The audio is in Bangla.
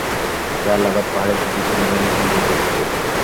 জালালাবাদ পাহাড়ে ব্রিটিশ সৈন্যবাহিনীর সংগে যুদ্ধে শহীদ হন।